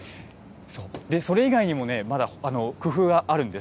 それ以外にもね、まだ工夫はあるんです。